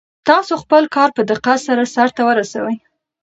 تاسو خپل کار په دقت سره سرته ورسوئ.